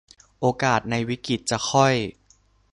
โอกาสในวิกฤตจะค่อย